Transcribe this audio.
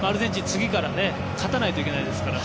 次から勝たないといけないですから